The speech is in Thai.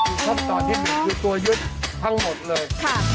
คือขั้นตอนที่๑คือตัวยึดทั้งหมดเลย